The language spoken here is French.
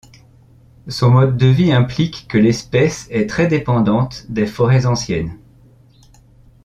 Son mode de vie implique que l'espèce est très dépendante des forêts anciennes.